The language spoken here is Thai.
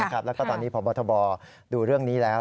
แล้วก็ตอนนี้พบทบดูเรื่องนี้แล้ว